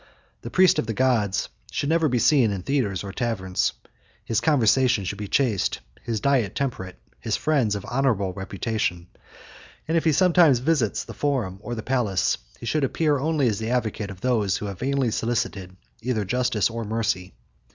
The priest of the gods should never be seen in theatres or taverns. His conversation should be chaste, his diet temperate, his friends of honorable reputation; and if he sometimes visits the Forum or the Palace, he should appear only as the advocate of those who have vainly solicited either justice or mercy.